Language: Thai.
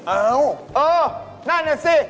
เอ้าโอ๊ยนั่นน่ะสิ